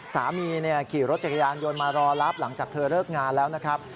ขี่รถจักรยานยนต์มารอรับหลังจากเธอเลิกงานแล้วนะครับ